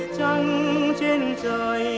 trăng trên trời